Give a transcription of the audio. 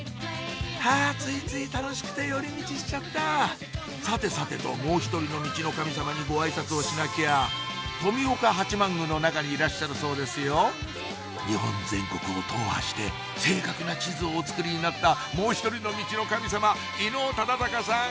ハァついつい楽しくて寄り道しちゃったさてさてともう一人のミチノカミ様にご挨拶をしなきゃ富岡八幡宮の中にいらっしゃるそうですよ日本全国を踏破して正確な地図をお作りになったもう一人のミチノカミ様伊能忠敬さん